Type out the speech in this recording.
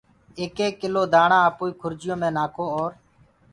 ايڪ ايڪ ڪلو دآڻآ آپوئي کرجيآنٚ مي نآکو اور